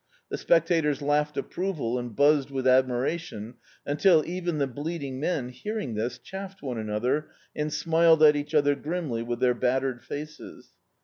The spectators laughed approval and buzzed with admir ation until even the bleeding men, hearing this, chaffed one another, and smiled at each dther grimly with their battered faces.